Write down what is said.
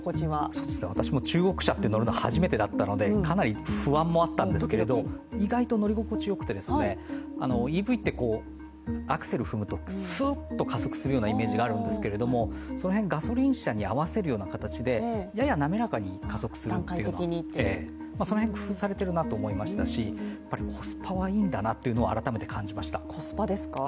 私、中国車って乗るのは初めてだったのでかなり不安もあったんですけど意外と乗り心地良くてＥＶってアクセルを踏むとスーッと加速するイメージがあるんですが、その辺、ガソリン車に合わせるような形でややなめらかに加速するところ、その辺、工夫されているなと思いましたしやっぱりコスパはいいんだなと改めて感じました。